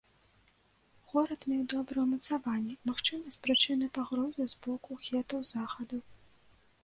Горад меў добрыя ўмацаванні, магчыма, з прычыны пагрозы з боку хетаў з захаду.